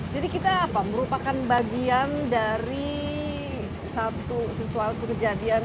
jadi kita merupakan bagian dari satu sesuatu kejadian